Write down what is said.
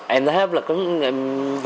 em thấy hấp lực lắm